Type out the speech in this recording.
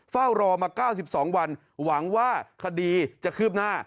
เฝ้ารอมา๙๒วันหวังว่าคดีจะคืบหน้า